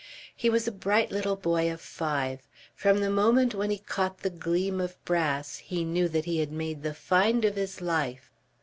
He was a bright little boy of five. From the moment when he caught the gleam of brass he knew that he had made the find of his life.